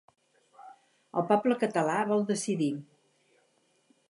El poble català vol decidir.